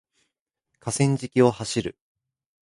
河川敷を走る